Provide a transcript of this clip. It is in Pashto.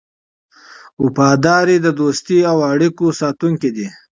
وفاداري د دوستۍ او اړیکو ساتونکی دی.